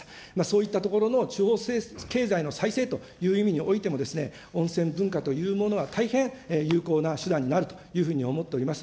そういったところの地方経済の再生という意味においても、温泉文化というものは大変有効な手段になるというふうに思っております。